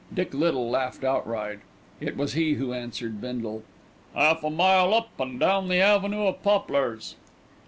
Dick Little laughed outright. It was he who answered Bindle. "Half a mile up, and down the avenue of poplars."